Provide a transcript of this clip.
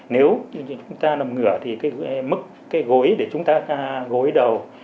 nếu như chúng ta nằm ngửa thì cái mức cái gối để chúng ta gối đầu